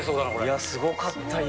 いや、すごかった、今。